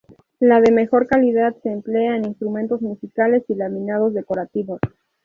La de mejor calidad se emplea en instrumentos musicales y laminados decorativos.